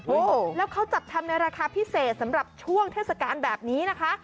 โอ้โหแล้วเขาจัดทำในราคาพิเศษสำหรับช่วงเทศกาลแบบนี้นะคะ